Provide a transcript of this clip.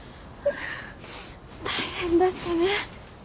大変だったね。